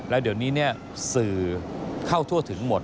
แล้วเดี๋ยวนี้สื่อเข้าทั่วถึงหมด